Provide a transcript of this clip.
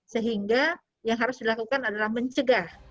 sehingga yang harus dilakukan adalah mencegah